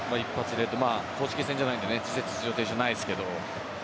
レッド公式戦じゃないから出場停止じゃないですけど。